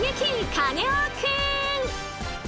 カネオくん！